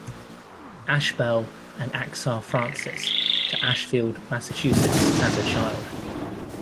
Ashbel and Achsah Francis, to Ashfield, Massachusetts as a child.